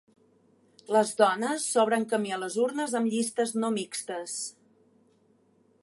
Les dones s'obren camí a les urnes amb llistes no mixtes.